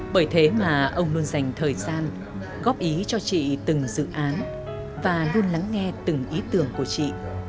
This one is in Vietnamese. bởi thế mà ông luôn dành thời gian góp ý cho chị từng dự án và luôn lắng nghe từng ý tưởng của chị